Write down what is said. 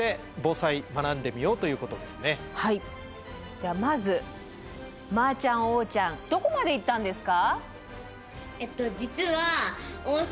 ではまずまーちゃんおーちゃんどこまで行ったんですか。